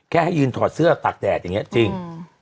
ให้ยืนถอดเสื้อตากแดดอย่างนี้จริง